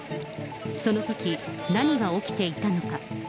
そのとき、何が起きていたのか。